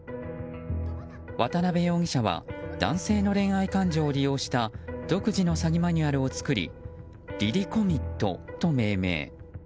渡辺容疑者は男性の恋愛感情を利用した独自の詐欺マニュアルを作りりりコミットと命名。